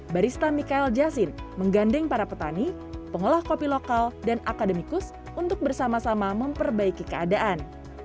barista mikael jasin menggandeng para petani pengolah kopi lokal dan akademikus untuk bersama sama memperbaiki keadaan